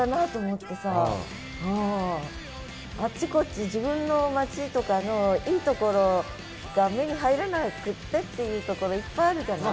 あっちこっち自分の町とかのいいところが目に入らなくてっていうところいっぱいあるじゃない。